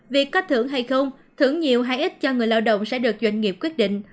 việc có thưởng hay không thưởng nhiều hay ít cho người lao động sẽ được doanh nghiệp quyết định